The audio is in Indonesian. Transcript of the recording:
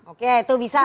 oke itu bisa